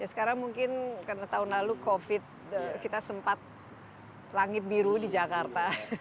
sekarang mungkin karena tahun lalu covid kita sempat langit biru di jakarta